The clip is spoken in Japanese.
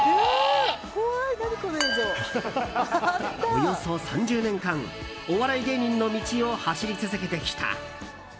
およそ３０年間お笑い芸人の道を走り続けてきた。